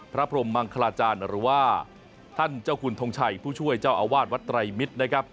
พระพรมมังคลาจารย์หรือว่าท่านเจ้าคุณทงชัยผู้ช่วยเจ้าอาวาสวัดไตรมิตรนะครับ